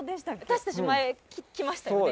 私たち前来ましたよね？